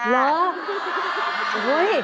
เหรอ